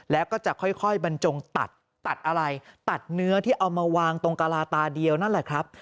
แล้วก็จะค่อยบรรจงตัดตัดอะไรตัดเนื้อที่เอามาวางตรงกะลาตาเดียวนั่นแหละครับ